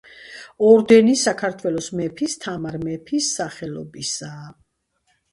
ორდენი საქართველოს მეფის, თამარ მეფის სახელობისაა.